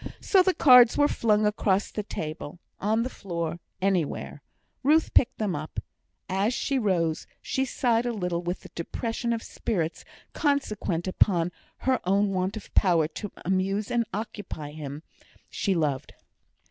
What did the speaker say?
So the cards were flung across the table on the floor anywhere. Ruth picked them up. As she rose, she sighed a little with the depression of spirits consequent upon her own want of power to amuse and occupy him she loved.